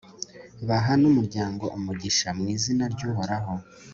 baha n'umuryango umugisha mu izina ry'uhoraho